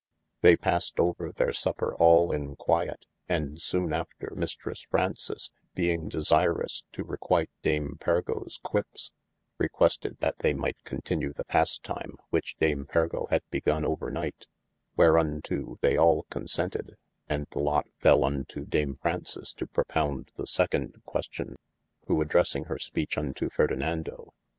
They passed over their supper all in quyete, and sone after Mistresse Fraunces, being desirous to requite Dame Pargoes qui[pp]es, requested that they might continue the pastime which Dame Pergo had begonne over night : wherunto they all consented, and the lot fell unto Dame Fraunces to propounde the second question who adressing hir speche unto Ferdinado 440 OF MASTER F. J.